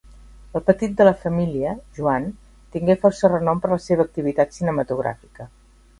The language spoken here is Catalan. El petit de la família, Joan, tingué força renom per la seva activitat cinematogràfica.